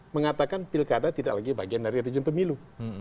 mengatakan pilkada tidak lagi bagian dari rejim pemilu